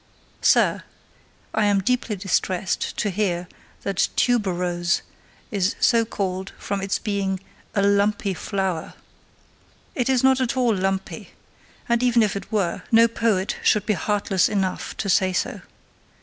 SIR, I am deeply distressed to hear that tuberose is so called from its being a 'lumpy flower.' It is not at all lumpy, and, even if it were, no poet should be heartless enough to say so.